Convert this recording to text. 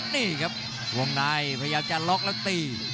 นี่ครับวงในพยายามจะล็อกแล้วตี